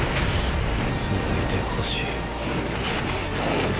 続いてほしい。